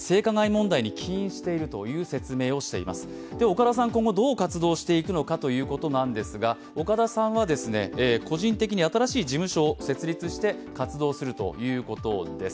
岡田さん、今後どう活動していくのかということですが、岡田さんは個人的に新しい事務所を設立して活動するということです。